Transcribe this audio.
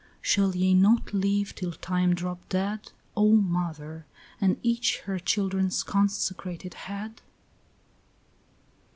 Shall ye not live till time drop dead, O mother, and each her children's consecrated head?